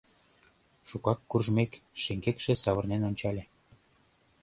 Шукак куржмек, шеҥгекше савырнен ончале.